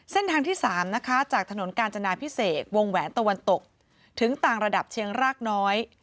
เส้นทางที่๓นะคะจากถนนกาญจนาพิเศษวงแหวนตะวันตกถึงต่างระดับเชียงรากน้อย